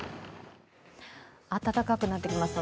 暖かくなってきました。